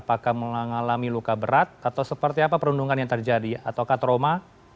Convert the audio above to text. apakah mengalami luka berat atau seperti apa perundungan yang terjadi atau trauma